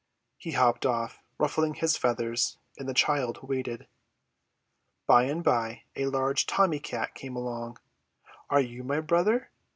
He hopped off, ruffling his feathers, and the child waited. By and by a large Tommy Cat came along. "Are you my brother?"